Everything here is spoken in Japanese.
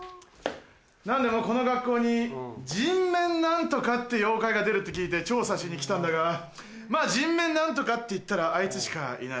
何でもこの学校に人面何とかって妖怪が出るって聞いて調査しに来たんだがまぁ人面何とかっていったらあいつしかいない。